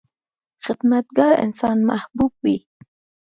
• خدمتګار انسان محبوب وي.